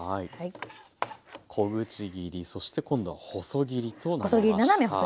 小口切りそして今度は細切りとなりました。